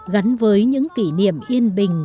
gắn với những kỷ niệm yên bình